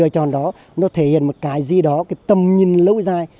thể hiện tầm nhìn lâu dài